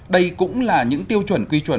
đây cũng là những tiêu chuẩn quy chuẩn